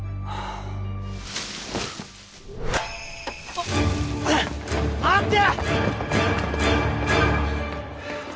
あっ待て！